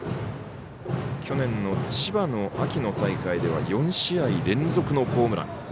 去年千葉の大会では４試合連続のホームラン。